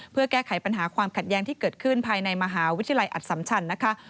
เพื่อแก้ไขปัญหาความขัดแย้งที่เกิดขึ้นภายในมหาวิทยาลัยอัตสัมชันนะคะ